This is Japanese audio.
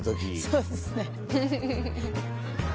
そうですね。